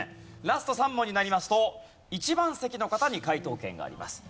ラスト３問になりますと１番席の方に解答権があります。